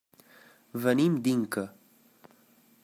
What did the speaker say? Venim d'Inca.